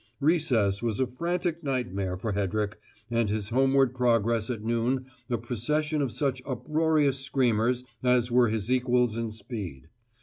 Recess was a frantic nightmare for Hedrick, and his homeward progress at noon a procession of such uproarious screamers as were his equals in speed.